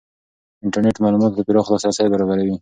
انټرنېټ معلوماتو ته پراخ لاسرسی برابروي.